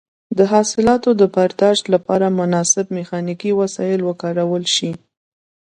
د حاصلاتو د برداشت لپاره مناسب میخانیکي وسایل وکارول شي.